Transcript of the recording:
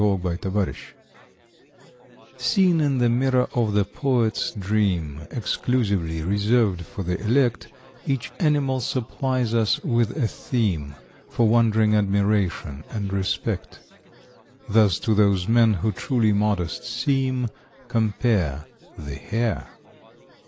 POEM FOR THE PROUD |SEEN in the mirror of the poet's dream, (Exclusively reserved for the "elect"), Each animal supplies us with a theme For wondering admiration and respect. Thus, to those men who truly modest seem Compare The Hare.